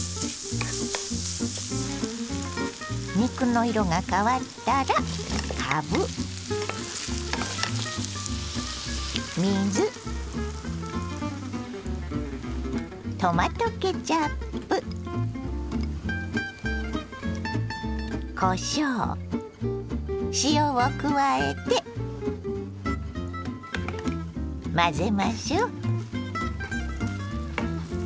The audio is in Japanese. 肉の色が変わったらかぶ水トマトケチャップこしょう塩を加えて混ぜましょう。